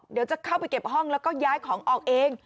เดี๋ยวจะเข้าไปเก็บห้องแล้วก็ย้ายของออกเอง